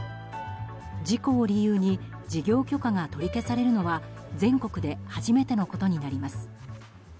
事故を理由に事業許可が取り消されるのは全国で初めてのことになります。